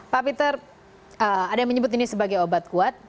pak peter ada yang menyebut ini sebagai obat kuat